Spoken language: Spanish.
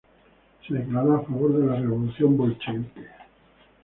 Se declaró a favor de la Revolución Bolchevique.